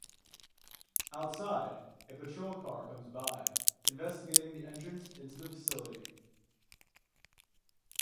Outside, a patrol car comes by, investigating the entrance into the facility.